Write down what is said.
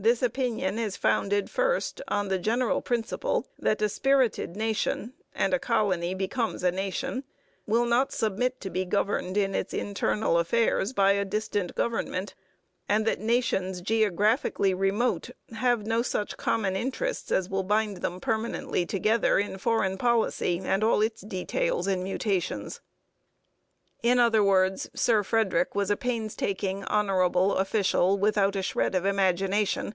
This opinion is founded first on the general principle that a spirited nation (and a colony becomes a nation) will not submit to be governed in its internal affairs by a distant government, and that nations geographically remote have no such common interests as will bind them permanently together in foreign policy with all its details and mutations. In other words, Sir Frederic was a painstaking honourable official without a shred of imagination.